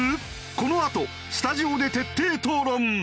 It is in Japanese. このあとスタジオで徹底討論！